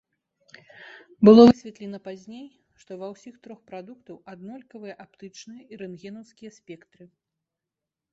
Было высветлена пазней, што ва ўсіх трох прадуктаў аднолькавыя аптычныя і рэнтгенаўскія спектры.